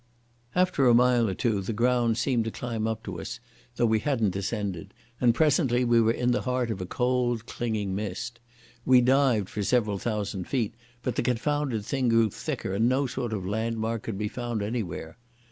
After a mile or two the ground seemed to climb up to us, though we hadn't descended, and presently we were in the heart of a cold, clinging mist. We dived for several thousand feet, but the confounded thing grew thicker and no sort of landmark could be found anywhere.